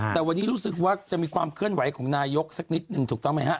แต่วันนี้รู้สึกว่าจะมีความเคลื่อนไหวของนายกสักนิดหนึ่งถูกต้องไหมฮะ